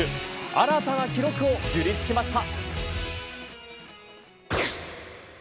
新たな記録を樹立しました。